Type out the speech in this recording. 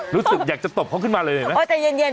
รู้สึกอยากจะตบเขาขึ้นมาเลยเห็นไหมใจเย็น